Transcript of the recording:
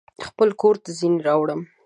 خپل کورته ځینې راوړم